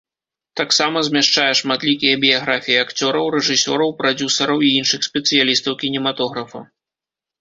Таксама змяшчае шматлікія біяграфіі акцёраў, рэжысёраў, прадзюсараў і іншых спецыялістаў кінематографа.